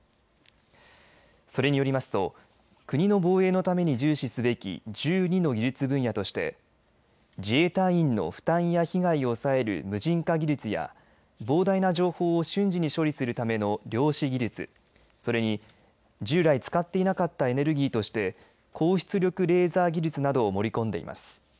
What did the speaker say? それによりますと国の防衛のために重視すべき１２の技術分野として自衛隊員の負担や被害を抑える無人化技術や膨大な情報を瞬時に処理するための量子技術それに従来使っていなかったエネルギーとして高出力レーザー技術などを盛り込んでいます。